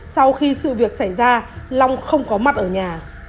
sau khi sự việc xảy ra long không có mặt ở nhà